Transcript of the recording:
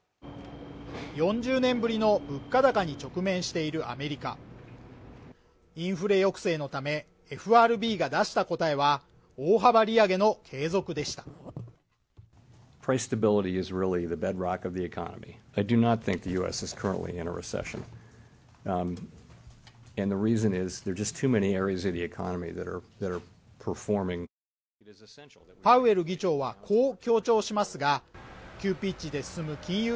４０年ぶりの物価高に直面しているアメリカインフレ抑制のためＦＲＢが出した答えは大幅利上げの継続でしたパウエル議長はこう強調しますが急ピッチで進む金融